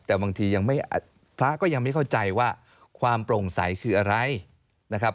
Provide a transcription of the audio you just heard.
แต่บางทียังไม่พระก็ยังไม่เข้าใจว่าความโปร่งใสคืออะไรนะครับ